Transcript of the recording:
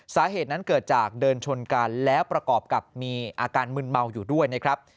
สาเหตุนั้นเกิดจากเดินชนกันแล้วประกอบกับมีอาการมึนเมาอยู่ด้วยนะครับ